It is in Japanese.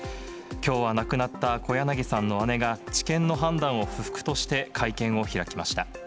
きょうは亡くなった小柳さんの姉が、地検の判断を不服として会見を開きました。